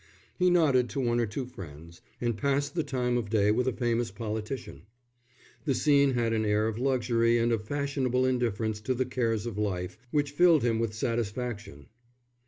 He nodded to one or two friends and passed the time of day with a famous politician. The scene had an air of luxury and of fashionable indifference to the cares of life which filled him with satisfaction.